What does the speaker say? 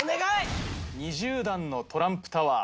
２０段のトランプタワー。